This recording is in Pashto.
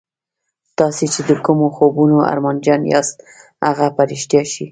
تاسې چې د کومو خوبونو ارمانجن یاست هغه به رښتیا شي